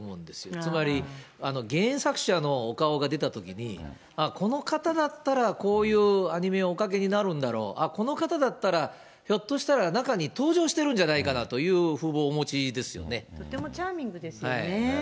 つまり、原作者のお顔が出たときに、あ、この方だったら、こういうアニメをお描きになるんだろう、あっ、この方だったら、ひょっとしたら中に登場してるんじゃないかなという風貌をお持ちとてもチャーミングですよね。